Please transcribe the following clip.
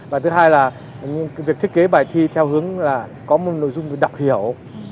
và thứ hai là việc thiết kế bài thi theo hướng là có một nội dung đọc hiểu